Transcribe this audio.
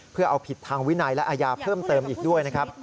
เพื่อเอาผิดทางวินัยและอาญาเพิ่มเติมอีกด้วยนะครับ